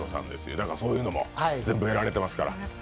だからそういうのも全部やられていますから。